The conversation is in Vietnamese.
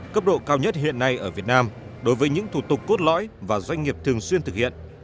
cấp độ cao nhất hiện nay ở việt nam đối với những thủ tục cốt lõi và doanh nghiệp thường xuyên thực hiện